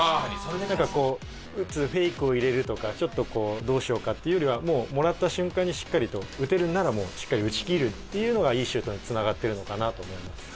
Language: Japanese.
だからこう打つフェイクを入れるとかちょっとこうどうしようか？っていうよりはもうもらった瞬間にしっかりと打てるならもうしっかり打ち切るっていうのがいいシュートにつながってるのかなと思います。